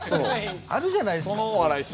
あるじゃないですか。